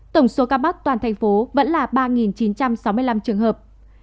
tổng số ca mắc toàn thành phố vẫn là ba chín trăm sáu mươi năm trường hợp